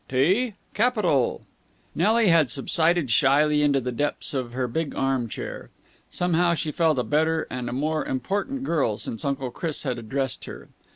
"Tea? Capital!" Nelly had subsided shyly into the depths of her big arm chair. Somehow she felt a better and a more important girl since Uncle Chris had addressed her.